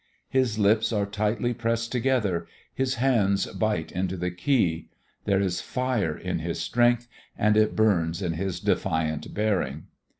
His lips are tightly pressed together, his hands bite into the key. There is fire in his strength and it burns in his defiant bearing.